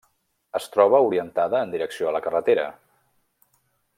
Es troba orientada en direcció a la carretera.